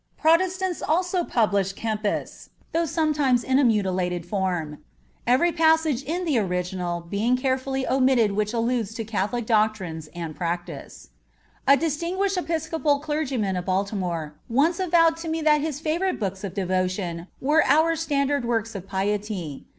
Protestants also publish Kempis, though sometimes in a mutilated form; every passage in the original being carefully omitted which alludes to Catholic doctrines and practices. A distinguished Episcopal clergyman of Baltimore once avowed to me that his favorite books of devotion were our standard works of piety.